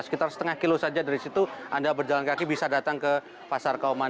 sekitar setengah kilo saja dari situ anda berjalan kaki bisa datang ke pasar kauman